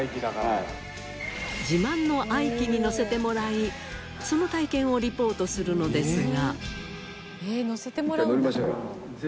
自慢の愛機に乗せてもらいその体験をリポートするのですが。